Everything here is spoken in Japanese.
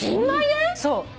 そう。